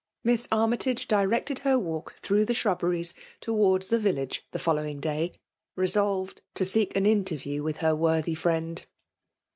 Miss Army tage directed her walk through the shrub beries towards the village the following day, resolved to seek an interview with her worthy friend.